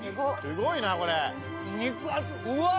・すごいなこれ・肉厚うわっ！